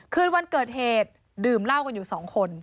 คืนวันเกิดเหตุดื่มเหล้ากันอยู่สองคน